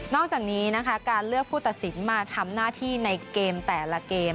อกจากนี้นะคะการเลือกผู้ตัดสินมาทำหน้าที่ในเกมแต่ละเกม